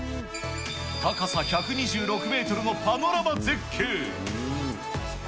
高さ１２６メートルのパノラマ絶景。